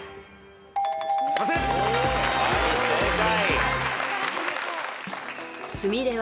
はい正解。